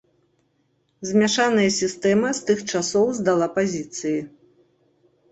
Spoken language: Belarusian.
Змяшаная сістэма з тых часоў здала пазіцыі.